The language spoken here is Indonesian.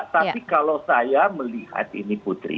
tapi kalau saya melihat ini putri